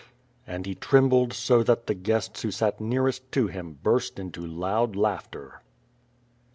And he trembled so that the guests who sat nearest to him burst into loud laughter.